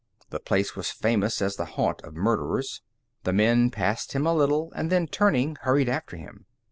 The place was famous as the haunt of murderers. The men passed him a little and then turning, hurried after him.